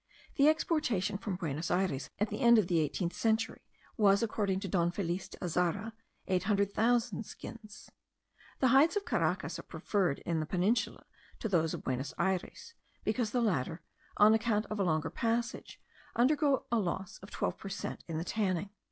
The exportation from Buenos Ayres, at the end of the eighteenth century, was, according to Don Felix de Azara, 800,000 skins. The hides of Caracas are preferred in the Peninsula to those of Buenos Ayres; because the latter, on account of a longer passage, undergo a loss of twelve per cent in the tanning.